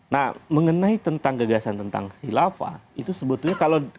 nah mengenai tentang gagasan tentang khilafah itu sebetulnya kalau